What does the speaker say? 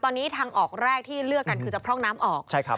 ตอนนี้ทางออกแรกที่เลือกกันคือจะพร่องน้ำออก